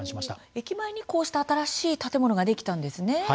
駅前にこうして新しい建物ができたんですね。